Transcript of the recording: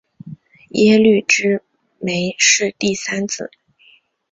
耶律只没是第三子。